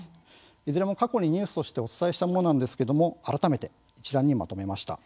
いずれも過去にニュースとしてお伝えしたものですが改めて一覧にまとめました。